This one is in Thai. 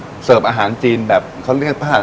ก็เผื่อไปเสิร์ฟอาหารจีนเหมือนกัน